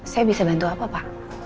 saya bisa bantu apa pak